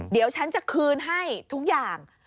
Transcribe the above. เดี๋ยวฉันจะคืนให้ทุกอย่าง